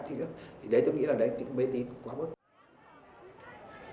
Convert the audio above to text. thì đấy tôi nghĩ là đấy là mê tín quá mất